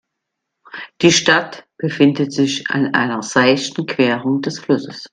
Die Stadt befindet sich an einer seichten Querung des Flusses.